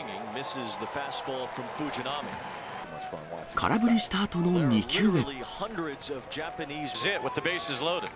空振りしたあとの２球目。